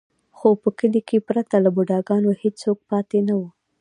خو په کلي کې پرته له بوډا ګانو هېڅوک پاتې نه و.